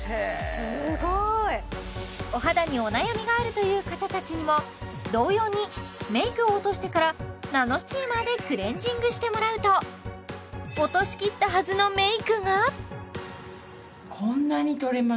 すごい！お肌にお悩みがあるという方達にも同様にメイクを落としてからナノスチーマーでクレンジングしてもらうと落としきったはずのメイクが・わ！